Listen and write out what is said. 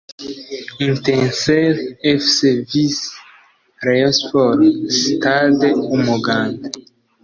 Etincelles Fc vs Rayon Sports (Stade Umuganda)